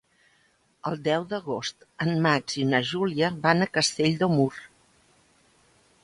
El deu d'agost en Max i na Júlia van a Castell de Mur.